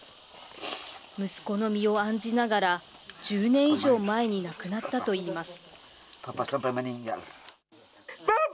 息子の身を案じながら、１０年以上前に亡くなったといいます。